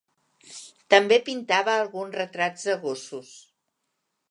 També pintava alguns retrats de gossos.